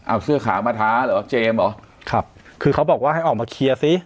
เอาเสื้อขาวมาท้าเหรอเจมส์เหรอครับคือเขาบอกว่าให้ออกมาเคลียร์สิ